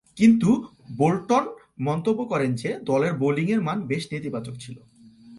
কিন্তু, বোল্টন মন্তব্য করেন যে, দলের বোলিংয়ের মান বেশ নেতিবাচক ছিল।